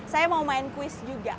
saya mau main kuis juga